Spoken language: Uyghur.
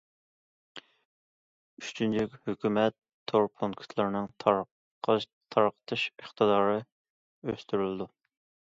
ئۈچىنچى، ھۆكۈمەت تور پونكىتلىرىنىڭ تارقىتىش ئىقتىدارى ئۆستۈرۈلىدۇ.